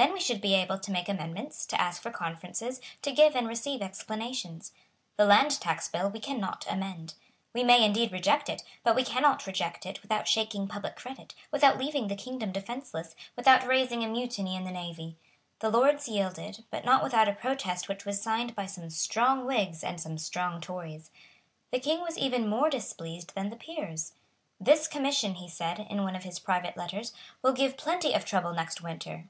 Then we should be able to make amendments, to ask for conferences, to give and receive explanations. The Land Tax Bill we cannot amend. We may indeed reject it; but we cannot reject it without shaking public credit, without leaving the kingdom defenceless, without raising a mutiny in the navy. The Lords yielded, but not without a protest which was signed by some strong Whigs and some strong Tories. The King was even more displeased than the Peers. "This Commission," he said, in one of his private letters, "will give plenty of trouble next winter."